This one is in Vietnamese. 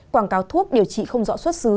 quảng cáo thuốc điều trị không rõ xuất xứ